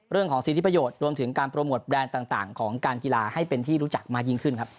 เรื่องของสิทธิประโยชน์รวมถึงการโปรโมทแบรนด์ต่างของการกีฬาให้เป็นที่รู้จักมากยิ่งขึ้นครับ